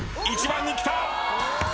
１番にきた！